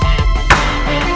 masuk ke dalam